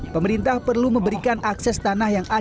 pemerintah perlu memberikan akses tanah yang lebih besar